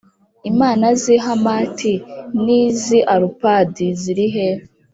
Imana z’i Hamati n’iz’i Arupadi ziri he ?